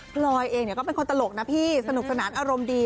พลอยเองก็เป็นคนตลกนะพี่สนุกสนานอารมณ์ดี